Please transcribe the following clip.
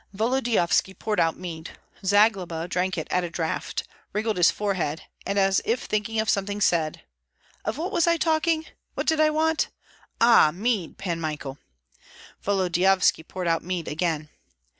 Volodyovski poured out mead. Zagloba drank it at a draught, wrinkled his forehead, and as if thinking of something said, "Of what was I talking? What did I want? Ah! mead, Pan Michael!" Volodyovski poured out mead again.